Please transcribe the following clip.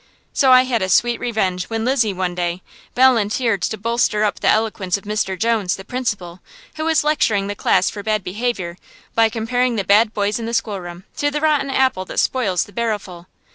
So I had a sweet revenge when Lizzie, one day, volunteered to bolster up the eloquence of Mr. Jones, the principal, who was lecturing the class for bad behavior, by comparing the bad boy in the schoolroom to the rotten apple that spoils the barrelful.